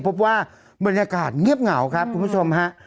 พบว่าบรรยากาศเงียบเหงาครับคุณผู้ชมฮะ